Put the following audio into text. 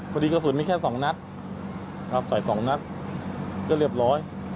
กระสุนมีแค่สองนัดครับใส่สองนัดก็เรียบร้อย